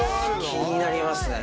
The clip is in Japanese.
気になりますね。